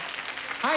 はい！